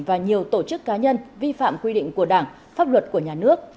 và nhiều tổ chức cá nhân vi phạm quy định của đảng pháp luật của nhà nước